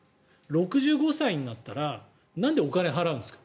６５歳になったらなんでお金払うんですか？